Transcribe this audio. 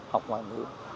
học ngoại ngữ